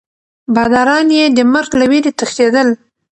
باداران یې د مرګ له ویرې تښتېدل.